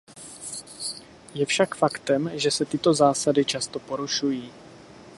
Je však faktem, že se tyto zásady často porušují.